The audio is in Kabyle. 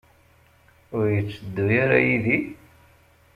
Ur yetteddu ara yid-i?